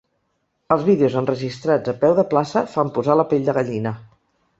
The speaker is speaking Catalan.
Els vídeos enregistrats a peu de plaça fan posar la pell de gallina.